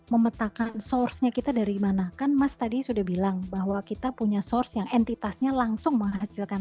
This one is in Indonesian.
memetakan source nya kita dari mana kan mas tadi sudah bilang bahwa kita punya source yang entitasnya langsung menghasilkan